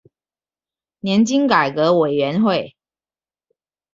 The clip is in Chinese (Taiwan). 年金改革委員會